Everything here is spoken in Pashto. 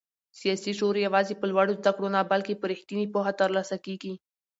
سیاسي شعور یوازې په لوړو زده کړو نه بلکې په رښتینې پوهه ترلاسه کېږي.